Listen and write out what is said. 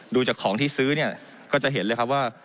ดูจากของที่ซื้อเนี่ยก็จะเห็นเลยครับว่า